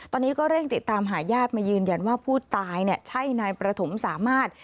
ตอนนี้ก็เร่งติดตามหาญาติมายืนยันว่าผู้ตายใช่นายประถมสามารถ